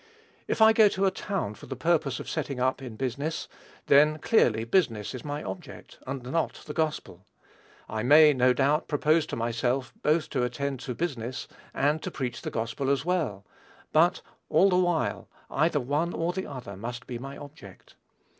If I go to a town for the purpose of setting up in business, then, clearly, business is my object, and not the gospel. I may, no doubt, propose to myself both to attend to business and to preach the gospel as well; but, all the while, either one or the other must be my object.